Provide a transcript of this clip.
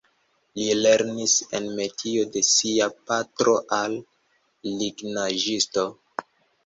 Li lernis en metio de sia patro al lignaĵisto.